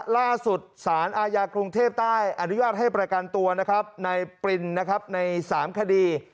ล่าสุดสารอาญากรุงเทพใต้อนุญาตให้ประกันตัวนะครับในปรินนะครับใน๓คดี